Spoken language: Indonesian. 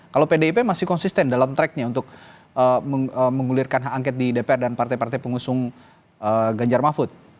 kalau pdip masih konsisten dalam tracknya untuk mengulirkan hak angket di dpr dan partai partai pengusung ganjar mahfud